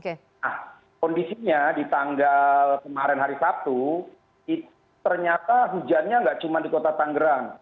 kondisinya di tanggal kemarin hari sabtu ternyata hujannya nggak cuma di kota tangerang